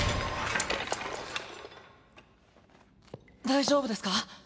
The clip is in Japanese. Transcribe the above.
大丈夫ですか？